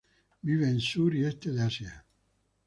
Vive en sur y este de Asia.